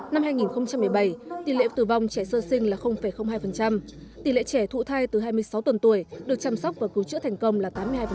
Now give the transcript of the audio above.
năm hai nghìn một mươi bảy tỷ lệ tử vong trẻ sơ sinh là hai tỷ lệ trẻ thụ thai từ hai mươi sáu tuần tuổi được chăm sóc và cứu chữa thành công là tám mươi hai